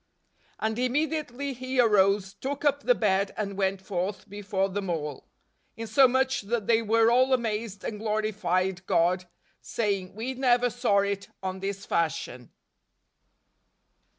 " And immediately he arose , took up the bed, and went forth before them all; insomuch that they were all amazed, and glorified God , saying , We never saw it on this fashion" 5.